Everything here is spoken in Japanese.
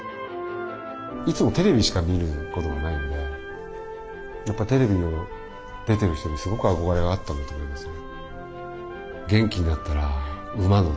いつもテレビしか見ることがないのでやっぱテレビに出てる人にすごく憧れがあったんだと思いますね。